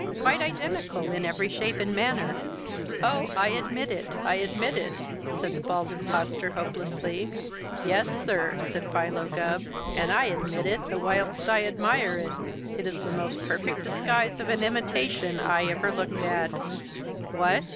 "Quite identical in every shape and manner." "Oh, I admit it! I admit it!" said the Bald Impostor hopelessly. "Yes, sir!" said Philo Gubb. "And I admit it the whilst I admire it. It is the most perfect disguise of an imitation I ever looked at." "What?"